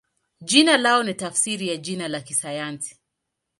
Jina lao ni tafsiri ya jina la kisayansi.